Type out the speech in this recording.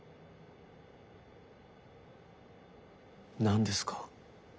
何ですか？